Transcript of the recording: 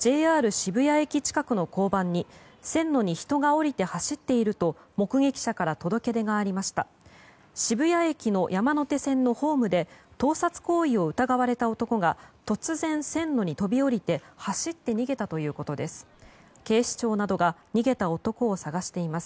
渋谷駅の山手線のホームで盗撮行為を疑われた男が突然、線路に飛び降りて走って逃げたということです。